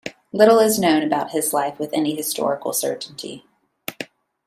Little is known about his life with any historical certainty.